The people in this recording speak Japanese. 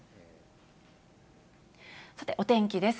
さて、お天気です。